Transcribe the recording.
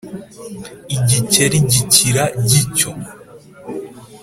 igikeri gikira gityo.